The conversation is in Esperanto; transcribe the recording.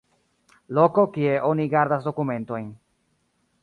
Loko kie oni gardas dokumentojn.